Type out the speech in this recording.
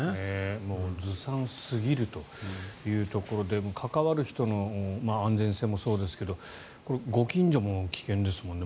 ずさんすぎるというところで関わる人の安全性もそうですがご近所も危険ですよね。